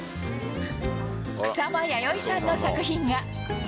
草間彌生さんの作品が。